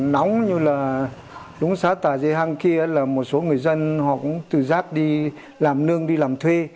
nóng như là đúng xá tà dây hang kia là một số người dân họ cũng từ giác đi làm nương đi làm thuê